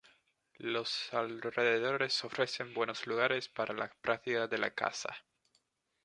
Los alrededores ofrecen buenos lugares para la práctica de la caza.